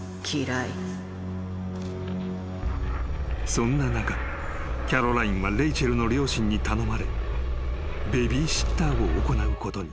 ［そんな中キャロラインはレイチェルの両親に頼まれベビーシッターを行うことに］